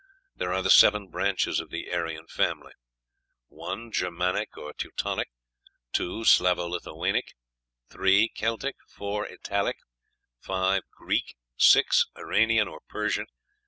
There are seven branches of the Aryan family: 1. Germanic or Teutonic; 2. Slavo Lithuanic; 3. Celtic; 4. Italic; 5. Greek; 6. Iranian or Persian; 7.